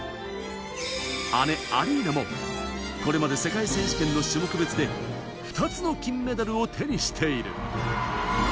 姉・アリーナもこれまで世界選手権の種目別で、２つの金メダルを手にしている。